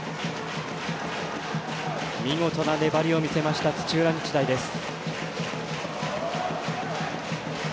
見事な粘りを見せました土浦日大です。